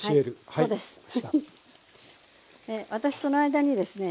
私その間にですね